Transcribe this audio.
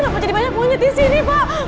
kenapa jadi banyak munyet di sini pak